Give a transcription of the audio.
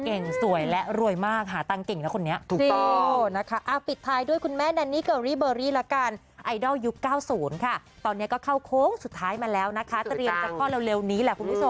เก่งสวยและรวยมากค่ะหาตังค์เก่งนะคนนี้